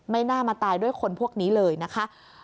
น่ามาตายด้วยคนพวกนี้เลยนะคะ